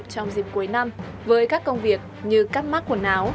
trong dịp cuối năm với các công việc như cắt mắt quần áo